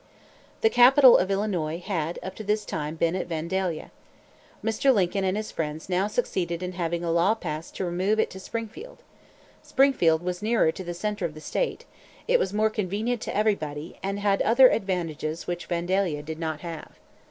The capital of Illinois had, up to this time, been at Vandalia. Mr. Lincoln and his friends now succeeded in having a law passed to remove it to Springfield. Springfield was nearer to the centre of the state; it was more convenient to everybody, and had other advantages which Vandalia did not have.